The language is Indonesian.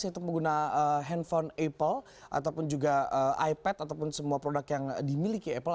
yaitu menggunakan handphone apple ataupun juga ipad ataupun semua produk yang dimiliki apple